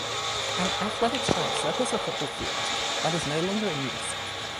An athletics track circles the football field, but is no longer in use.